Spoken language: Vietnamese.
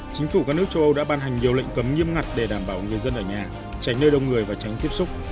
chính phủ các nước châu âu đã ban hành nhiều lệnh cấm nghiêm ngặt để đảm bảo người dân ở nhà tránh nơi đông người và tránh tiếp xúc